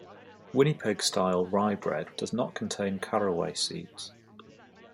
Winnipeg-style rye bread does not contain caraway seeds.